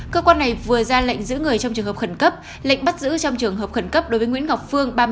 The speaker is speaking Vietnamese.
cơ quan này vừa ra lệnh giữ người trong trường hợp khẩn cấp lệnh bắt giữ trong trường hợp khẩn cấp đối với nguyễn ngọc phương